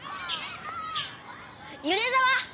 米沢！